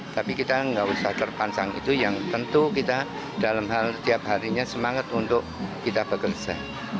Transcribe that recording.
tapi kita nggak usah terpanjang itu yang tentu kita dalam hal tiap harinya semangat untuk kita bekerja